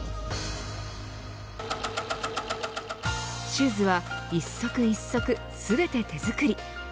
シューズは一足一足全て手作り。